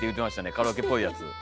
カラオケっぽいやつ。